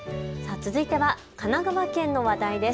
続いては神奈川県の話題です。